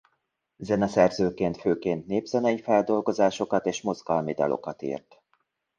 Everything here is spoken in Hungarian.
Zeneszerzőként főként népzenei feldolgozásokat és mozgalmi dalokat írt.